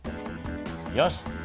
よし！